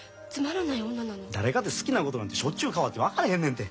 誰かて好きなことなんてしょっちゅう変わって分からへんねんて。